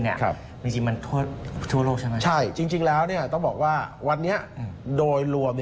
จริงมันทั่วโลกใช่ไหมใช่จริงแล้วต้องบอกว่าวันนี้โดยรวม